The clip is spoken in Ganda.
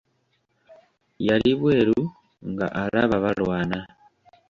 Yali bweru nga alaba balwana.